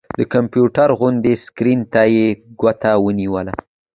د کمپيوټر غوندې سکرين ته يې ګوته ونيوله